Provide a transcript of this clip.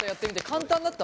簡単だった？